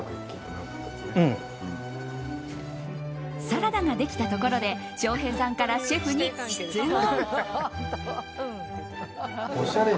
サラダができたところで翔平さんからシェフに質問。